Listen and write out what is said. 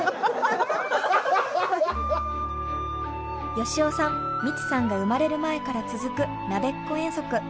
佳雄さんミチさんが生まれる前から続くなべっこ遠足。